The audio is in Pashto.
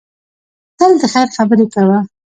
تل د خیر خبرې کوه.